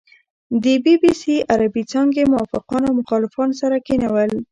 د بي بي سي عربې څانګې موافقان او مخالفان سره کېنول.